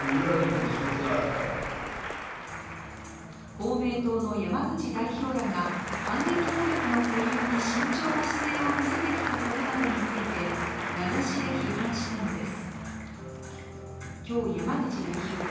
公明党の山口代表らが反撃能力の保有に慎重な姿勢を見せてきたことなどについて名指しで批判したのです。